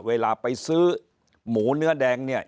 เวลาไปซื้อหมูเนื้อแดงเนี่ย